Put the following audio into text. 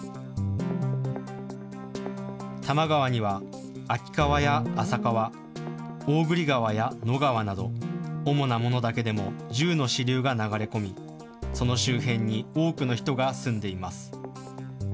多摩川には秋川や浅川、大栗川や野川など主なものだけでも１０の支流が流れ込み、その周辺に多くの人が住んでいます。